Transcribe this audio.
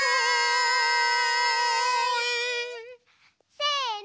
せの。